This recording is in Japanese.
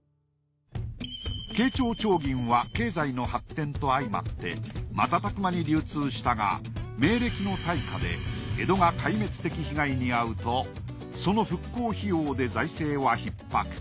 慶長丁銀は経済の発展とあいまってまたたく間に流通したが明暦の大火で江戸が壊滅的被害に遭うとその復興費用で財政はひっ迫。